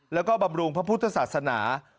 แล้วก็บำรุงพระพุทธศาสนา